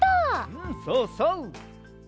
うんそうそう！